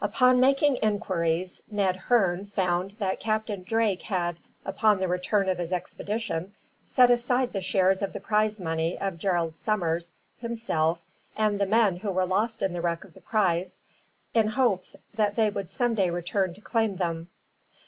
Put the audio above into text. Upon making inquiries, Ned Hearne found that Captain Drake had, upon the return of his expedition, set aside the shares of the prize money of Gerald Summers, himself, and the men who were lost in the wreck of the prize, in hopes that they would some day return to claim them.